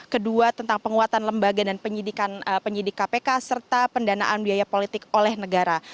kedua tentang penguatan lembaga dan penyidik kpk serta pendanaan biaya politik oleh negara